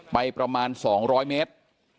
ประมาณ๒๐๐เมตร